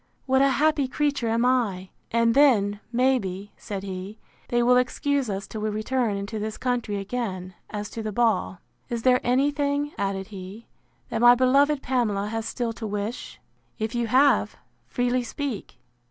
What a happy creature am I!—And then, may be, said he, they will excuse us till we return into this country again, as to the ball. Is there any thing, added he, that my beloved Pamela has still to wish? If you have, freely speak.